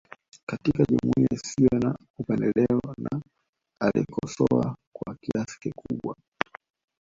Katika jumuiya isiyo na upendeleo na alikosoa kwa kiasi kikubwa